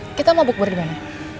eh kita mau bukbur dimana